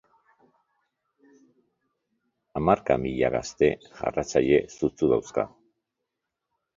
Hamarka mila gazte jarraitzaile sutsu dauzka.